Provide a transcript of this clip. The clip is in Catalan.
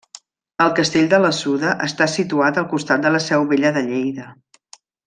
El castell de la Suda està situat al costat de la seu vella de Lleida.